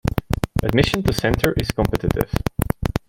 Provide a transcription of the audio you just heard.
Admission to Centre is competitive.